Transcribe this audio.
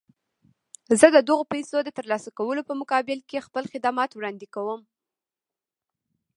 زه د دغو پيسو د ترلاسه کولو په مقابل کې خپل خدمات وړاندې کوم.